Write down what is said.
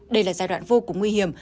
đây là giai đoạn vô cùng nguy hiểm